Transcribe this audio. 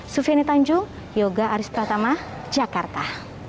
sufiani tanjung yoga aris pratama jakarta